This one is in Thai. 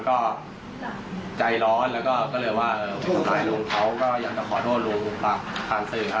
ก็ใจร้อนแล้วก็ก็เลยว่าอย่าจะขอโทษรูงปรับภาพ